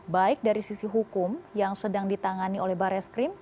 baik dari sisi hukum yang sedang ditangani oleh barreskrim